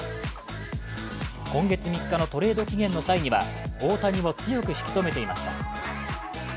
今月３日のトレード期限の際には大谷を強く引き止めていました。